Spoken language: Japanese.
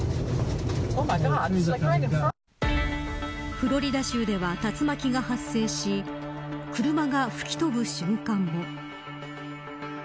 フロリダ州では竜巻が発生し車が吹き飛ぶ瞬間も。